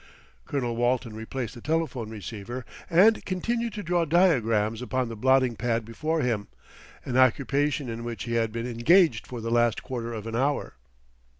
Colonel Walton replaced the telephone receiver and continued to draw diagrams upon the blotting pad before him, an occupation in which he had been engaged for the last quarter of an hour.